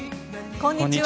こんにちは。